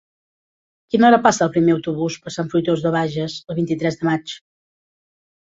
A quina hora passa el primer autobús per Sant Fruitós de Bages el vint-i-tres de maig?